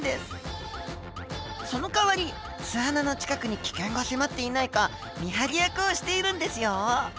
そのかわり巣穴の近くに危険が迫っていないか見張り役をしているんですよ。